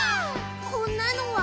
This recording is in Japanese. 「こんなのは？」